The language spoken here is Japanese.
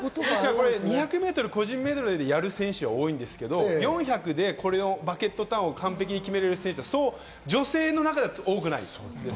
２００ｍ個人メドレーでやる選手は多いんですが、４００でバケットターンを完璧に決められる選手は女性の中では多くないんです。